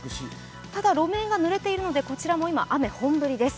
ただ路面がぬれているので、こちらも今、雨が本降りです。